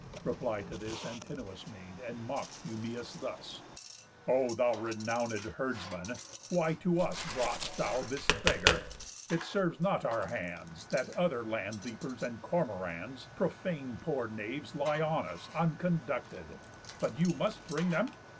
Reply to this Antinous made, and mock'd Eumæus thus: "O thou renownéd herdsman, why to us Brought'st thou this beggar? Serves it not our hands; That other land leapers, and cormorands, Profane poor knaves, lie on us, unconducted, But you must bring them?